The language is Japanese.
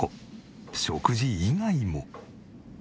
食事以外も。